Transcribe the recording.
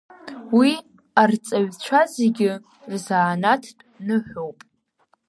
Уи арҵаҩцәа зегьы рзанааҭтә ныҳәоуп.